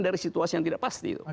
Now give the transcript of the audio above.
dari situasi yang tidak pasti